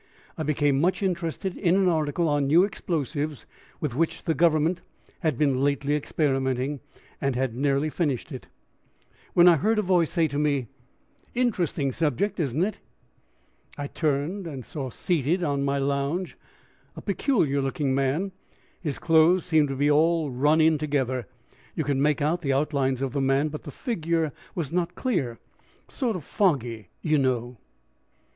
I became much interested in an article on new explosives with which the Government has been lately experimenting, and had nearly finished it, when I heard a voice say to me, "Interesting subject, isn't it?" I turned, and saw seated on my lounge a peculiar looking man: his clothes seemed to be all run in together. You could make out the outlines of the man, but the figure was not clear; sort of foggy, you know.